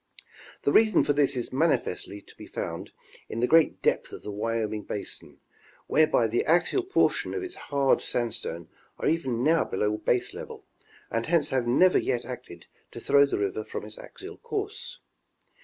The reason for this is manifestly to be found in the great depth of the Wyoming basin, whereby the axial portion of its hard sandstones are even now below baselevel, and hence have never yet acted to throw the river from its axial course.